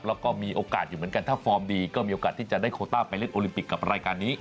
แล้วก็มีโอกาสอยู่เหมือนกันถ้าฟอร์มดีก็มีโอกาสที่จะได้โคต้าไปเล่นโอลิมปิกกับรายการนี้